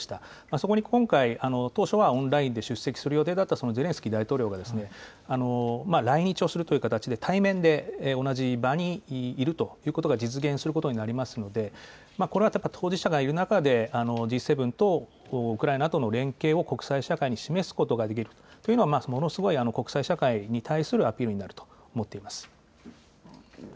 そこに今回、当初はオンラインで出席する予定だったゼレンスキー大統領が、来日をするという形で対面で同じ場にいるということが実現することになりますので、これはやっぱり当事者がいる中で、Ｇ７とウクライナとの連携を国際社会に示すことができるというのが、ものすごい国際社会に対するアピールになると思っています。